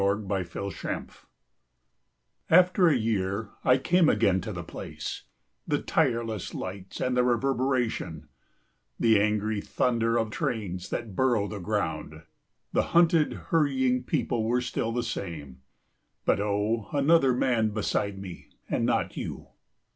IN A SUBWAY STATION AFTER a year I came again to the place; The tireless lights and the reverberation, The angry thunder of trains that burrow the ground, The hunted, hurrying people were still the same But oh, another man beside me and not you!